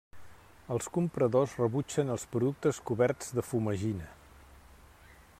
Els compradors rebutgen els productes coberts de fumagina.